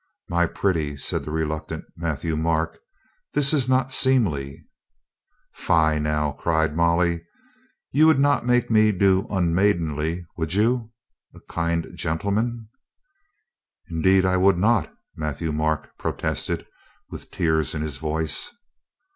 "My pretty," said the reluctant Matthieu Marc, "this is not seemly." 380 MOLLY PROPOSES 381 "Fie now!" cried Molly. "You would not make me do unmaidenly, would you? A kind gentle man!" "Indeed, I would not," Matthieu Marc protested with tears in his voice.